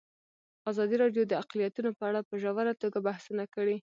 ازادي راډیو د اقلیتونه په اړه په ژوره توګه بحثونه کړي.